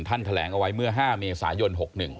แถลงเอาไว้เมื่อ๕เมษายน๖๑